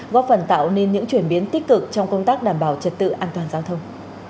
góp phần tạo nên những chuyển biến tích cực trong công tác đảm bảo trật tự an toàn giao thông